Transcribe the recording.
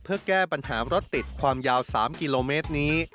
เพื่อแก้ปัญหารถติดความยาว๓กิโลเมตรนี้